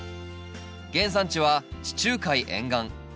原産地は地中海沿岸。